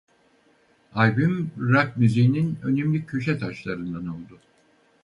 Albüm rock müziğinin önemli köşe taşlarından oldu.